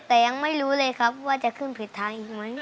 แต่ยังไม่รู้เลยครับว่าจะขึ้นผิดทางอีกไหม